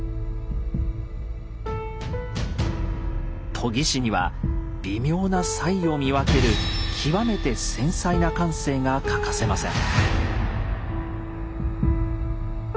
研ぎ師には微妙な差異を見分ける極めて繊細な感性が欠かせません。